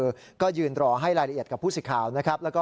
ยืนรอก็ยืนรอให้ลายละเอียดกับผู้ศึกขาวนะครับ